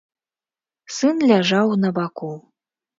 Сын ляжаў на баку.